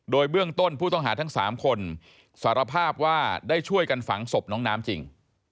โดยเบื้องต้นผู้ต้องหาทั้ง๓คนสารภาพว่าได้ช่วยกันฝังศพน้องน้ำจริง